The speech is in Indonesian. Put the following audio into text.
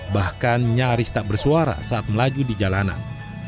bahkan nyaris tak bersuara saat melaju di jalanan